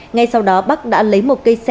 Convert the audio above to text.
ngay sau đó bắc đã lấy một cây sẻng tại nhà